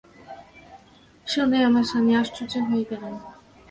শুনে আমার স্বামী আশ্চর্য হয়ে গেলেন।